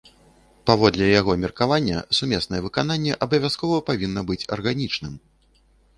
Паводле яго меркавання, сумеснае выкананне абавязкова павінна быць арганічным.